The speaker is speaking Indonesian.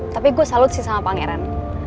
tapi gue salut sih sama pangeran